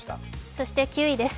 そして９位です。